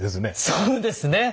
そうですね。